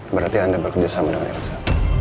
berarti anda bekerja sama dengan elsa